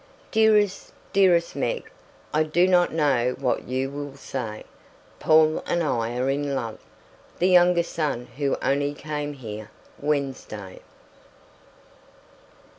Dearest, dearest Meg, I do not know what you will say: Paul and I are in love the younger son who only came here Wednesday.